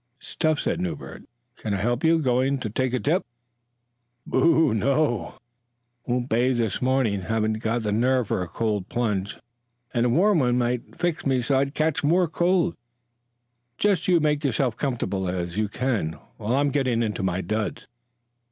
"It's tough," said Newbert. "Can I help you? Going to take a dip?" "Boo! No, I won't bathe this morning; haven't got the nerve for a cold plunge, and a warm one might fix me so I'd catch more cold. Just you make yourself comfortable as you can while I'm getting into my duds."